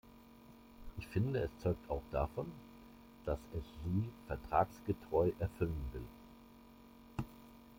Ich finde, es zeugt auch davon, dass es sie vertragsgetreu erfüllen will.